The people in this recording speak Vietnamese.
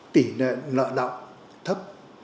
tỉ nợ lao động thấp